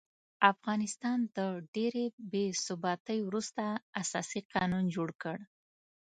افغانستان د ډېرې بې ثباتۍ وروسته اساسي قانون جوړ کړ.